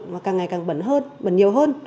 mà càng ngày càng bẩn hơn bẩn nhiều hơn